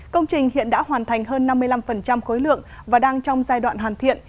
công trình hiện đã hoàn thành hơn năm mươi năm khối lượng và đang trong giai đoạn hoàn thiện